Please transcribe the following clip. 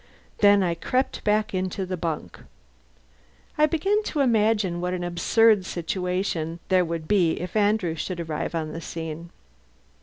Then I crept back into the bunk. I began to imagine what an absurd situation there would be if Andrew should arrive on the scene.